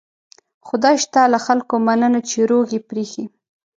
خدای شته له خلکو مننه چې روغ یې پرېښي.